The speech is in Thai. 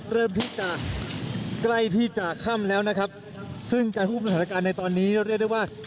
เริ่มที่จะใกล้ที่จะค่ำแล้วนะครับซึ่งการควบคุมสถานการณ์ในตอนนี้เรียกได้ว่า